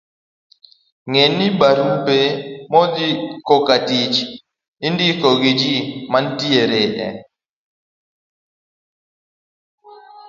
Ng'e ni, barupe modhi kokatich indiko gi ji manitiere e